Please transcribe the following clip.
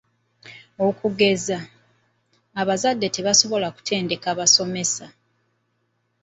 Okugeza, abazadde tebasobola kutendeka basomesa.